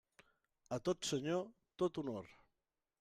A tot senyor, tot honor.